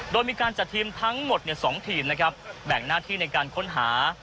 โดยมีการจัดทีมทั้งหมด๒ทีมนะครับแบ่งหน้าที่ในการค้นหา